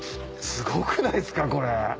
すごくないですかこれ。